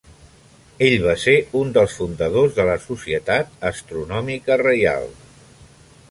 Ell va ser un dels fundadors de la Societat Astronòmica Reial.